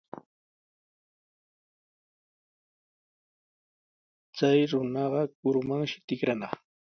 Chay runaqa kurumanshi tikranaq.